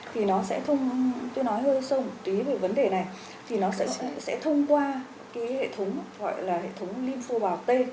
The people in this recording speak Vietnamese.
thì nó sẽ thông qua cái hệ thống gọi là hệ thống lympho bào t